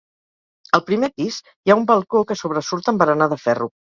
Al primer pis hi ha un balcó que sobresurt amb barana de ferro.